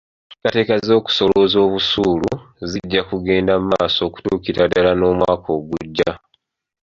Enteekateeka z'okusolooza busuulu zijja kugenda mu maaso okutuukira ddala omwaka ogujja.